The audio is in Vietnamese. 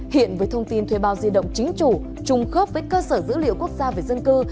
hiện với thông tin thuê bao di động chính chủ trùng khớp với cơ sở dữ liệu quốc gia về dân cư